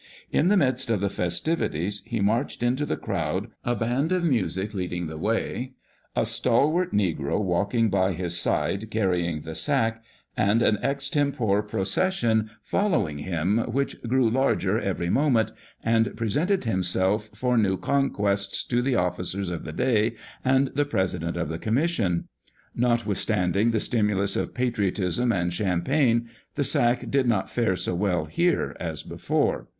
In the midst of the festivities he marched into the crowd, a band of music leading the way, a stalwart negro walking by his side dairying the sack, and an extempore procession following Charles Dickous.] ALL THE YEAR ROUND. [October 31, 1868J 491 him, which grew larger every moment, and pre sented himself for new conquests to the officers of the day and the president of the commission. Notwithstanding the stimulus of patriotism and champagne, the sack did not fare so well here as before.